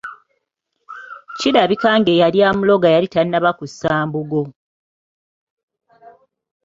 Kirabika ng'eyali amuloga yali tannaba kussa mbugo.